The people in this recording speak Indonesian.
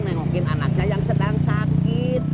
di kampung nengokin anaknya yang sedang sakit